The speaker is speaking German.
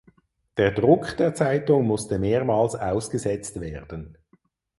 Der Druck der Zeitung musste mehrmals ausgesetzt werden.